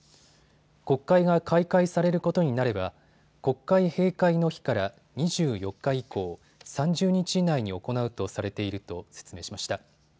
国会が開会されることになれば国会閉会の日から２４日以降、３０日以内に行うとされていると説明しました。